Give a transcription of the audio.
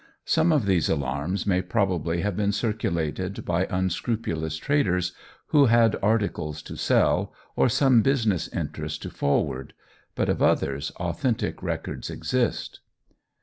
Some of these alarms may probably have been circulated by unscrupulous traders who had articles to sell, or some business interest to forward, but of others authentic records exist.